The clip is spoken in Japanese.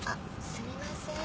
すみません。